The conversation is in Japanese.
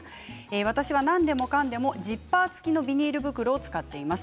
私は何でもかんでもジッパー付きのビニール袋を使っています。